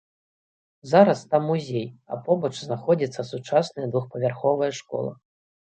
Зараз там музей, а побач знаходзіцца сучасная двухпавярховая школа.